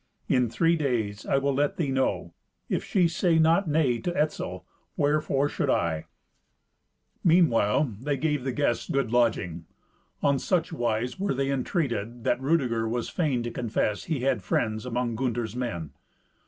In three days I will let thee know. If she say not nay to Etzel, wherefore should I?" Meanwhile they gave the guests good lodging. On such wise were the entreated that Rudeger was fain to confess he had friends among Gunther's men.